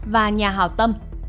và nhà hảo tâm